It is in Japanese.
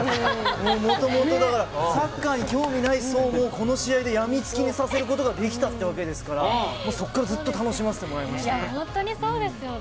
もともとだからサッカーに興味ない層もこの試合でやみつきにさせることができたというわけですからそこからずっと本当にそうですよね。